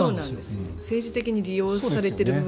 政治的に利用されている部分がある。